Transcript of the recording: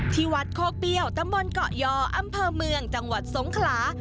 ที่วัดโคกเปรี้ยวตำบลเกาะยออำเภอเมืองจังหวัดสงขลา